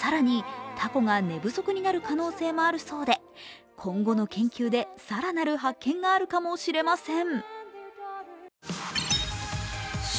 更に、たこが寝不足になる可能性もあるそうで今後の研究で更なる発見があるかもしれません。